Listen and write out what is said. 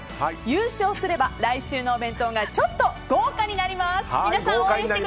優勝すれば来週のお弁当がちょっと豪華になります。